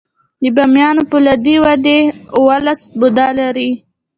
د بامیانو فولادي وادي اوولس بودا لري